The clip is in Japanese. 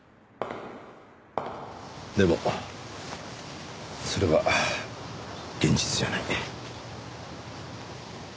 でもそれは現実じゃない。